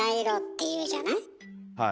はい。